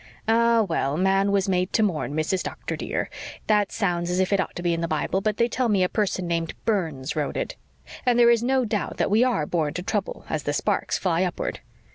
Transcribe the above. "Ah, well, man was made to mourn, Mrs. Doctor, dear. That sounds as if it ought to be in the Bible, but they tell me a person named Burns wrote it. And there is no doubt that we are born to trouble as the sparks fly upward.